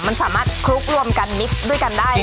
มันสามารถคลุกรวมกันมิกด้วยกันได้